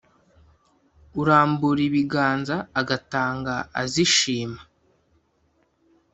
Urambura ibiganza agatanga azishima,